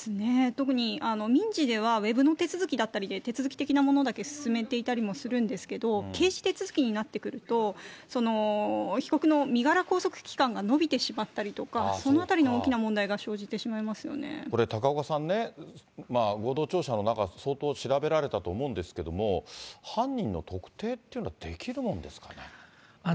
特に民事では、ウェブの手続きだったり、手続き的なものだけ進めていたりもするんですけれども、刑事手続きになってくると、被告の身柄拘束期間が延びてしまったりとか、そのあたりに大きなこれ、高岡さんね、合同庁舎の中って相当調べられたと思うんですけれども、犯人の特定っていうのはできるもんですかね。